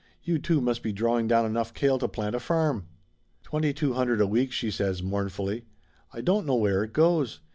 You two must be drawing down enough kale to plant a farm!" "Twenty two hundred a week," she says mourn fully. "I don't know where it goes.